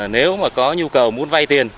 nếu mà có nhu cầu muốn vai tiền